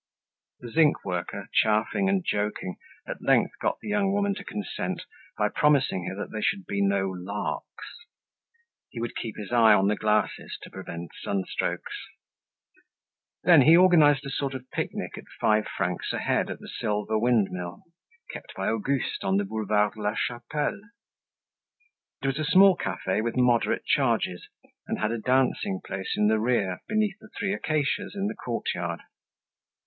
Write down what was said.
The zinc worker, chaffing and joking, at length got the young woman to consent by promising her that there should be no larks. He would keep his eye on the glasses, to prevent sunstrokes. Then he organized a sort of picnic at five francs a head, at the "Silver Windmill," kept by Auguste, on the Boulevard de la Chapelle. It was a small cafe with moderate charges and had a dancing place in the rear, beneath the three acacias in the courtyard.